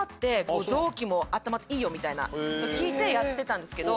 みたいなの聞いてやってたんですけど。